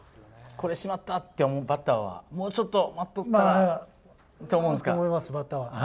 これ、しまったって思う、バッターは、もうちょっと待っとったら。と思います、バッターは。